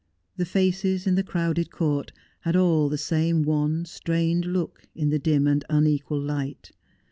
The faces in the crowded court had all the same wan, strained look in the dim and unequal light.